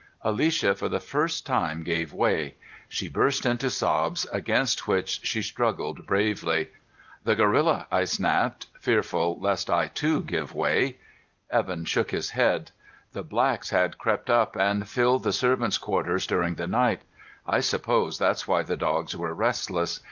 Alicia, for the first time, gave way. She burst into sobs, against which she struggled bravely. "The gorilla!" I snapped, fearful lest I too give way. Evan shook his head. "The blacks had crept up to and filled the servants' quarters during the night. I suppose that's why the dogs were restless.